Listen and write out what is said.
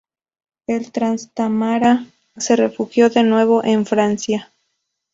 El Trastámara se refugió de nuevo en Francia.